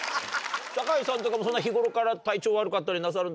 酒井さんとかもそんな日頃から体調悪かったりなさるんですか？